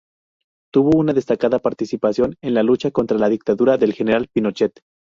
Tuvo una destacada participación en la lucha contra la dictadura del general Pinochet.